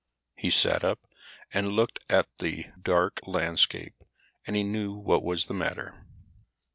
He sat up and looked out at the dark landscape, and he knew what was the matter.